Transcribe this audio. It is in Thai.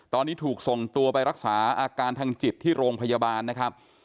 ตอนนี้ถูกส่งตัวไปรักษาอาการทางจิตที่โรงพยาบาลนะครับ